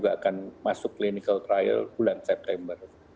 akan masuk clinical trial bulan september